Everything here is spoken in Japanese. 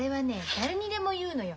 誰にでも言うのよ。